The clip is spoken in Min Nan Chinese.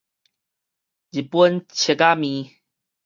日本摵仔麵